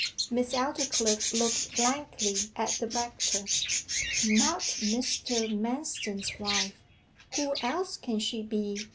Miss Aldclyffe looked blankly at the rector. 'Not Mr. Manston's wife who else can she be?